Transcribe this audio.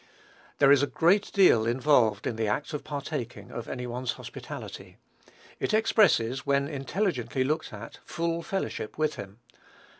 There is a great deal involved in the act of partaking of any one's hospitality. It expresses, when intelligently looked at, full fellowship with him.